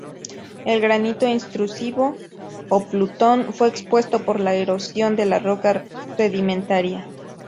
El granito intrusivo, o plutón, fue expuesto por la erosión de la roca sedimentaria.